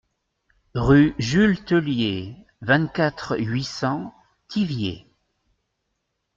Rue Jules Theulier, vingt-quatre, huit cents Thiviers